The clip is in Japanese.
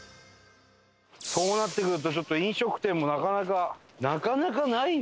そうなってくるとちょっと飲食店もなかなかなかなかないよ。